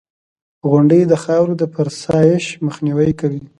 • غونډۍ د خاورو د فرسایش مخنیوی کوي.